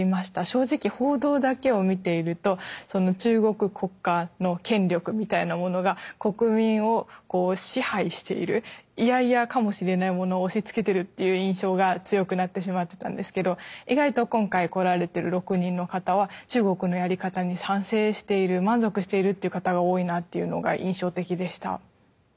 正直報道だけを見ていると中国国家の権力みたいなものが国民をこう支配しているイヤイヤかもしれないものを押しつけてるっていう印象が強くなってしまってたんですけど意外と今回来られてる６人の方は中国のやり方に賛成している満足しているっていう方が多いなっていうのが印象的でした。